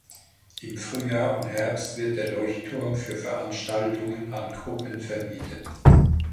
Im Frühjahr und Herbst wird der Leuchtturm für Veranstaltungen an Gruppen vermietet.